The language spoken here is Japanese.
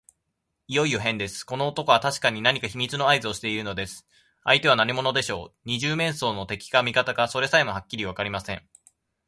いよいよへんです。この男はたしかに何か秘密のあいずをしているのです。相手は何者でしょう。二十面相の敵か味方か、それさえもはっきりわかりません。